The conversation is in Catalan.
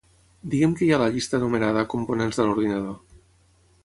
Digue'm què hi ha a la llista anomenada "components de l'ordinador".